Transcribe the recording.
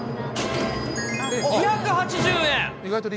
２８０円。